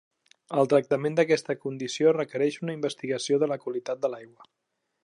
El tractament d'aquesta condició requereix una investigació de la qualitat de l'aigua.